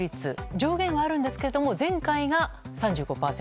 上限はあるんですが前回は３５％。